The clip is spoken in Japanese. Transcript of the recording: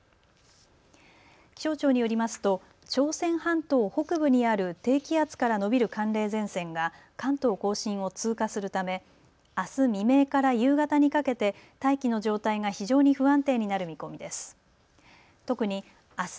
気象庁によりますと朝鮮半島北部にある低気圧から延びる寒冷前線が関東甲信を通過するためあす未明から夕方にかけて大気の状態が非常に不安定になる見込みです。